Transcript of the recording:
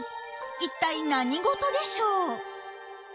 一体何事でしょう？